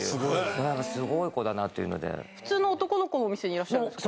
これはすごい子だなっていうので普通の男の子のお店にいらっしゃるんですか？